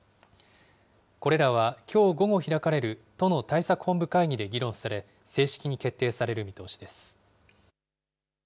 これらはきょう午後開かれる都の対策本部会議で議論され、正式に決定される見通しです。